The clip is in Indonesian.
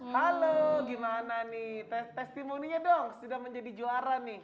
halo gimana nih testimoninya dong sudah menjadi juara nih